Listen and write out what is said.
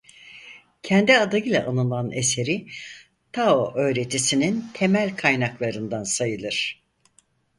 Kendi adıyla anılan eseri Tao Öğretisi'nin temel kaynaklarından sayılır.